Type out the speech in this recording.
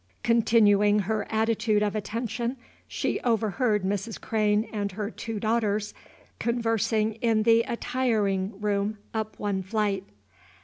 Continuing her attitude of attention, she overheard Mrs. Crane and her two daughters conversing in the attiring room, up one flight.